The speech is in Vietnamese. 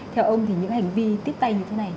theo ông thì những hành vi tiếp tay như thế này